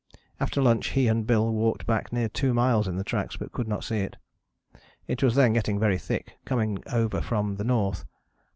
After lunch he and Bill walked back near two miles in the tracks, but could not see it. It was then getting very thick, coming over from the north."